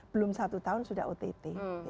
belum satu tahun sudah ott